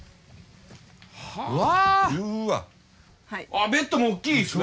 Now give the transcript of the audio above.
あっベッドもおっきいですね。